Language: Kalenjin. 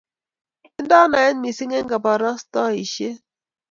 Tindo naet mising en kabarasteishet